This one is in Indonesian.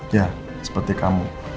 ya seperti kamu